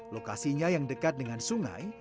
lokasinya yang dekat dengan sungai